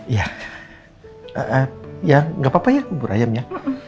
iya gak apa apa ya bubur ayamnya